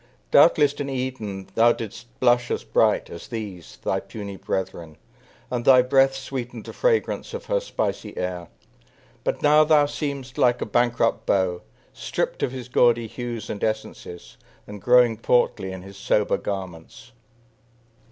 Doubtless in Eden thou didst blush as bright As these, thy puny brethren; and thy breath Sweetened the fragrance of her spicy air; But now thou seemest like a bankrupt beau, Stripped of his gaudy hues and essences, And growing portly in his sober garments.